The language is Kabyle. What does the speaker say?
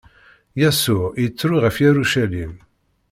Yasuɛ ittru ɣef Yarucalim.